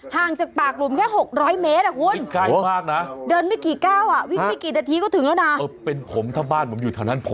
ห่างจากปากหลุมแค่๖๐๐เมตรอ่ะคุณ